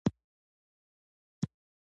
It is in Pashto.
تنور د خوږو خبرو ملګری دی